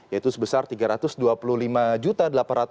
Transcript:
yaitu sebesar tiga ratus dua puluh lima juta